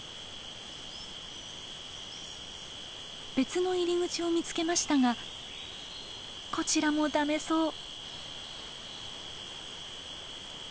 別の入り口を見つけましたがこちらもダメそう。